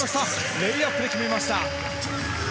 レイアップで決めました。